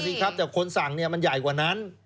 เดี๋ยวคนสั่งเนี่ยมันใหญ่กว่านั้น